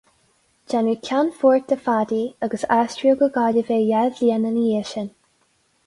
Déanadh ceannfort de Phaddy agus aistríodh go Gaillimh é dhá bhliain ina dhiaidh sin.